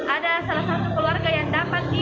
ada salah satu keluarga yang dapatin